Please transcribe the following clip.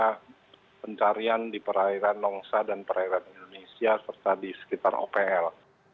karena pencarian di perairan nongsa dan perairan indonesia serta di sekitar opl